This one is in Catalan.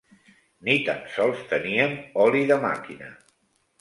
Ni tan sols teníem oli de màquina.